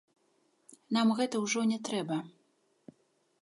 Нам гэта ўжо не трэба.